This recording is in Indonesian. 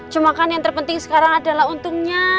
cuma yang penting sekarang adalah untungnya